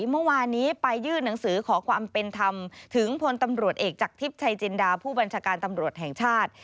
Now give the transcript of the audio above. เมื่อวานนี้ไปยื่นหนังสือขอความเป็นธรรมถึงพลตำรวจเอกจากทิพย์ชัยจินดาผู้บัญชาการตำรวจแห่งชาติ